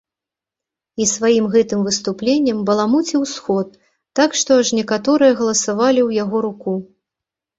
І сваім гэтым выступленнем баламуціў сход, так што аж некаторыя галасавалі ў яго руку.